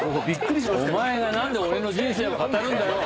お前が何で俺の人生を語るんだよ！